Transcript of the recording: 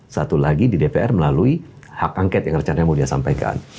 satu lagi di dpr melalui hak angket yang recananya mau disampaikan